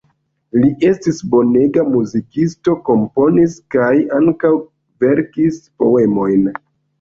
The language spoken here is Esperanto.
Li estis bonega muzikisto, komponis kaj ankaŭ verkis poemojn.